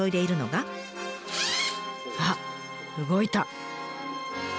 あっ動いた！